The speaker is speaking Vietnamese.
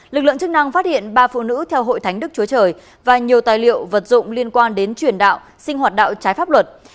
lực lượng chức năng phát hiện ba phụ nữ theo hội thánh đức chúa trời và nhiều tài liệu vật dụng liên quan đến truyền đạo sinh hoạt đạo trái pháp luật